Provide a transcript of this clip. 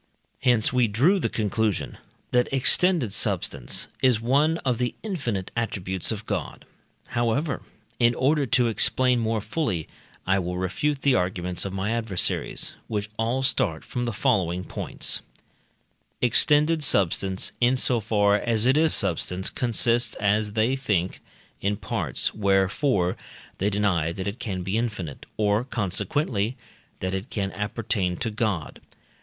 Hence we drew the conclusion that extended substance is one of the infinite attributes of God. However, in order to explain more fully, I will refute the arguments of my adversaries, which all start from the following points: Extended substance, in so far as it is substance, consists, as they think, in parts, wherefore they deny that it can be infinite, or consequently, that it can appertain to God.